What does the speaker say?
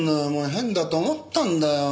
変だと思ったんだよ。